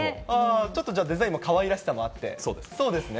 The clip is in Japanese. ちょっとデザインもかわいらしさもあって、そうですね。